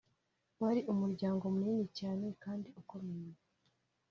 wari umuryango munini cyane kandi ukomeye